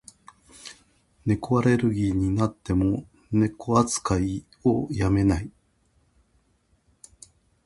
猫アレルギーになっても、猫吸いをやめない。